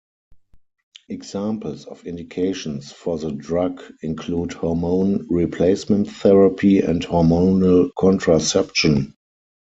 Examples of indications for the drug include hormone replacement therapy and hormonal contraception.